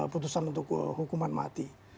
putusan untuk hukuman mati